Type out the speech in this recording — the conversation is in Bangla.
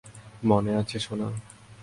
মনে আছে, সোনা।